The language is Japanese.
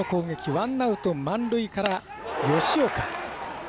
ワンアウト、満塁から、吉岡。